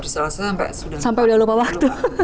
saya sudah sampai lupa waktu